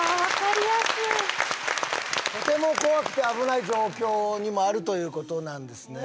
とても怖くて危ない状況にもあるということなんですね